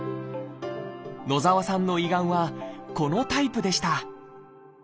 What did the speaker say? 野澤さんの胃がんはこのタイプでした。